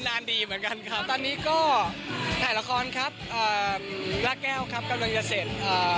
นานดีเหมือนกันครับตอนนี้ก็ถ่ายละครครับอ่าลากแก้วครับกำลังจะเสร็จอ่า